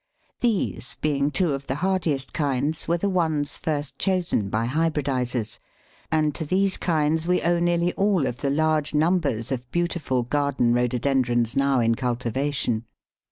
These, being two of the hardiest kinds, were the ones first chosen by hybridisers, and to these kinds we owe nearly all of the large numbers of beautiful garden Rhododendrons now in cultivation.